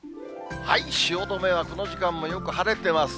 汐留はこの時間もよく晴れてます。